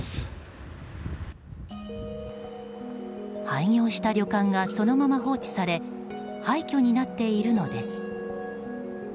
廃業した旅館がそのまま放置され廃虚になっているのです。